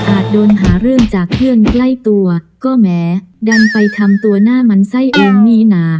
โดนหาเรื่องจากเพื่อนใกล้ตัวก็แหมดันไปทำตัวหน้ามันไส้เองนี่นะ